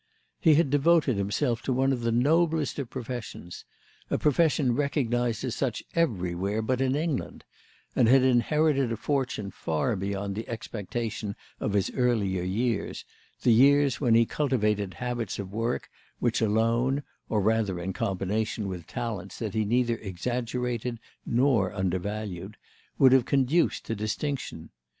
He had devoted himself to one of the noblest of professions—a profession recognised as such everywhere but in England—and had inherited a fortune far beyond the expectation of his earlier years, the years when he cultivated habits of work which alone (or rather in combination with talents that he neither exaggerated nor undervalued) would have conduced to distinction.